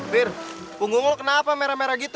vir punggung lo kenapa merah merah gitu